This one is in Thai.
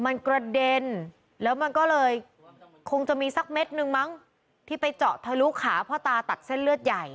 มันกระเด็นแล้วมันก็เลยคงจะมีสักเม็ดนึงมั้งที่ไปเจาะทะลุขาพ่อตาตัดเส้นเลือดใหญ่